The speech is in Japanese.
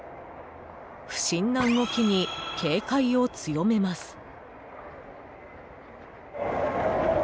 不審な動きに警戒を強めます。